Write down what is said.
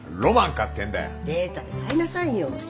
データで買いなさいよ。